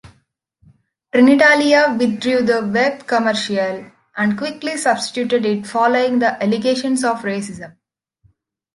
Trenitalia withdrew the web commercial, and quickly substituted it following the allegations of racism.